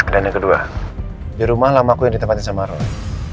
dan yang kedua di rumah lama aku yang ditempatin sama roy